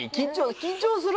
緊張する？